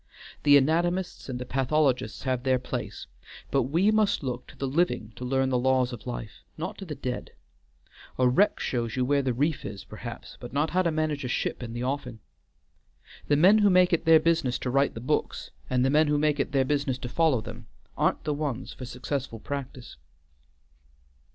The anatomists and the pathologists have their place, but we must look to the living to learn the laws of life, not to the dead. A wreck shows you where the reef is, perhaps, but not how to manage a ship in the offing. The men who make it their business to write the books and the men who make it their business to follow them aren't the ones for successful practice."